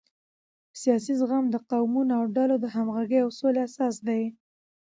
سیاسي زغم د قومونو او ډلو د همغږۍ او سولې اساس دی